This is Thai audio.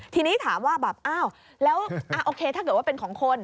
ทีนี้ถามว่าแบบอ้าวแล้วโอเคถ้าเกิดว่าเป็นของคน